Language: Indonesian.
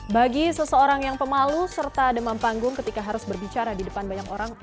bagi seseorang yang pemalu serta demam panggung ketika harus berbicara di depan banyak orang